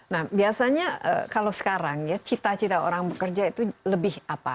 nah biasanya kalau sekarang ya cita cita orang bekerja itu lebih apa